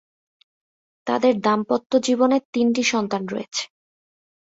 তাদের দাম্পত্য জীবনে তিনটি সন্তান রয়েছে।